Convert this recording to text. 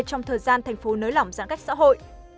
trong thời gian thành phố nới lỏng giãn cách xã hội